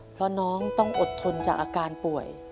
เพราะน้องต้องอดทนจากอาการป่วย